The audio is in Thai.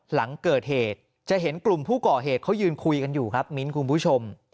หลังเกิดเหตุจะเห็นกลุ่มผู้ก่อเหตุเขายืนคุยกันอยู่ครับมิ้นคุณผู้ชม